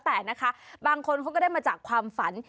แต่นะคะบางคนเขาก็ได้มาจากความฝัน